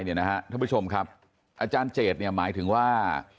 ท่านผู้ชมครับอาจารย์เจตหมายถึงว่า